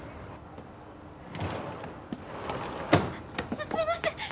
・すすいません。